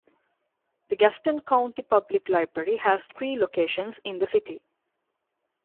The Gaston County Public Library has three locations in the city.